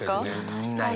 確かに。